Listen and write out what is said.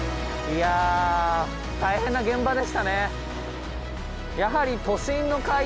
いや大変な現場でしたね。